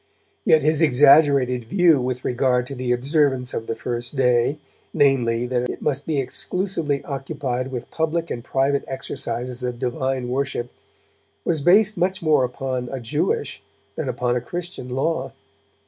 Yet his exaggerated view with regard to the observance of the First Day, namely, that it must be exclusively occupied with public and private exercises of divine worship, was based much more upon a Jewish than upon a Christian law.